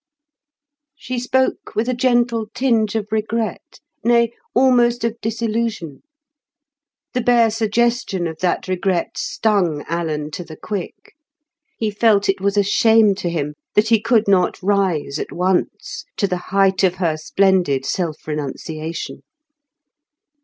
She spoke with a gentle tinge of regret, nay almost of disillusion. The bare suggestion of that regret stung Alan to the quick. He felt it was shame to him that he could not rise at once to the height of her splendid self renunciation.